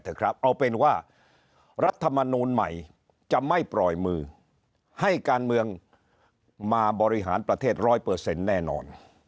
เอาเป็นว่ารัฐมนูลใหม่จะไม่ปล่อยมือให้การเมืองมาบริหารประเทศร้อยเปอร์เซ็นต์แน่นอน